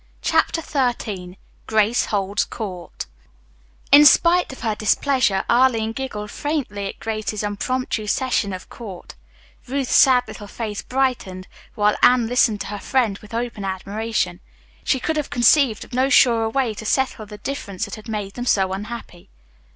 CHAPTER XIII GRACE HOLDS COURT In spite of her displeasure, Arline giggled faintly at Grace's impromptu session of court. Ruth's sad little face brightened, while Anne listened to her friend with open admiration. She could have conceived of no surer way to settle the difference that had made them so unhappy.